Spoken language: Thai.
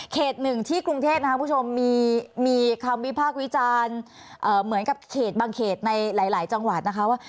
เขตหนึ่งที่กรุงเทพฯมีคำวิพากษ์วิจารณ์เหมือนกับบางเขตในหลายจังหวัดนะคะ